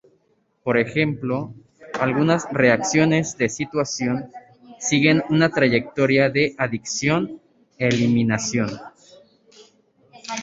Por ejemplo, algunas reacciones de sustitución siguen una trayectoria de adición-eliminación.